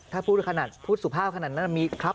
ถ้าพูดสุภาพขนาดนั้นล่ะ